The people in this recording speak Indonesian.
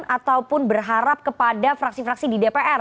ataupun berharap kepada fraksi fraksi di dpr